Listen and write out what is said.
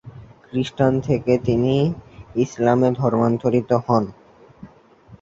খ্রিষ্টান থেকে তিনি ইসলামে ধর্মান্তরিত হন।